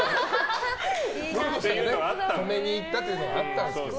止めに行ったっていうのはあったんですね。